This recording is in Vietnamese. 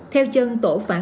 theo chân tổ phản ứng